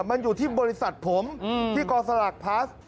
มันอยู่ที่บริษัทผมที่กองสลากพลัส